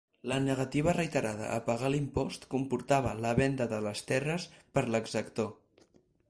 La negativa reiterada a pagar l'impost comportava la venda de les terres per l'exactor.